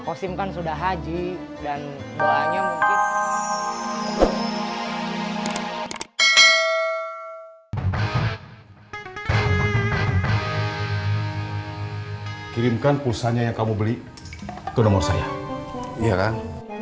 kosim kan sudah haji dan doanya mungkin kirimkan pulsanya yang kamu beli ke nomor saya iya kan